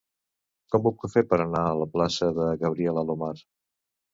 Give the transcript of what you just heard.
Com ho puc fer per anar a la plaça de Gabriel Alomar?